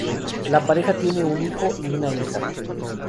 La pareja tiene un hijo y una hija.